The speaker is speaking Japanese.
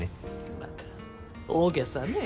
また大げさねぇ。